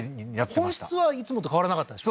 本質はいつもと変わらなかったでしょ